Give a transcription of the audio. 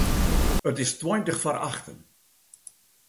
It is tweintich foar achten.